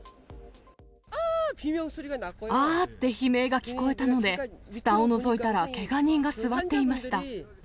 あーって悲鳴が聞こえたので、下をのぞいたら、けが人が座っていました。